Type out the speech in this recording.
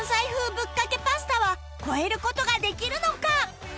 ぶっかけパスタは超える事ができるのか？